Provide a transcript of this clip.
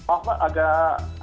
oh mbak agak